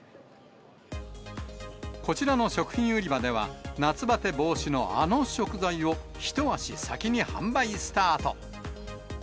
こちらの食品売り場では、夏バテ防止のあの食材を、一足先に販売スタート。